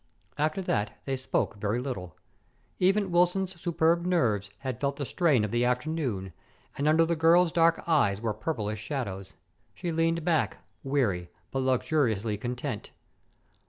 After that they spoke very little. Even Wilson's superb nerves had felt the strain of the afternoon, and under the girl's dark eyes were purplish shadows. She leaned back, weary but luxuriously content.